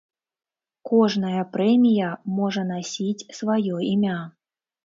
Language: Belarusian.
Кожная прэмія можа насіць сваё імя.